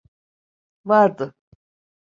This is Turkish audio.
Vardı.